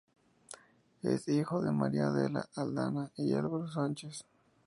Es hijo de María Adela Aldana y Álvaro Sánchez.